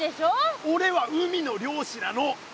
おれは海の漁師なの！